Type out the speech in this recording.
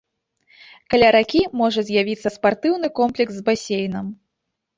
Каля ракі можа з'явіцца спартыўны комплекс з басейнам.